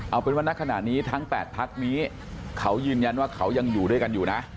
เอาเป็นว่าณขณะนี้ทั้ง๘พักนี้เขายืนยันว่าเขายังอยู่ด้วยกันอยู่นะ